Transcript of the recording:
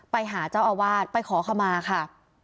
ไปหาเจ้าอาวาสไปขอขมาค่ะ